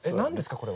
これは。